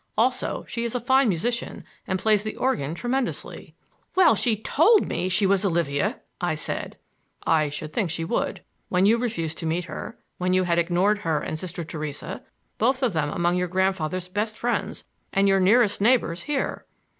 Also, she's a fine musician and plays the organ tremendously." "Well, she told me she was Olivia!" I said. "I should think she would, when you refused to meet her; when you had ignored her and Sister Theresa,— both of them among your grandfather's best friends, and your nearest neighbors here!"